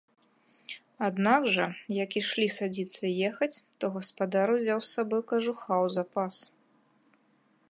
Аднак жа як ішлі садзіцца ехаць, то гаспадар узяў з сабой кажуха ў запас.